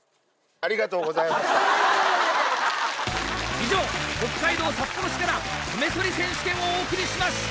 以上北海道札幌市から米そり選手権をお送りしました。